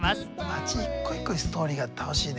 街一個一個にストーリーがあって楽しいね。